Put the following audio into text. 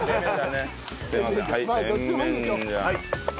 まあどっちでもいいでしょう。